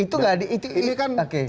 itu tidak dicoret karena pertimbangan apa